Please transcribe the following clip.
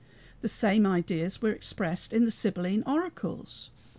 The same ideas were expressed in the Sibylline oracles.